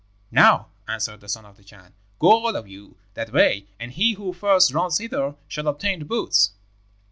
"'Now,' answered the son of the Chan, 'go all of you that way, and he who first runs hither shall obtain the boots.'